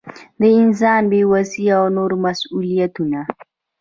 د انسان بې وسي او نور مسؤلیتونه.